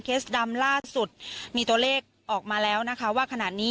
ดำล่าสุดมีตัวเลขออกมาแล้วนะคะว่าขณะนี้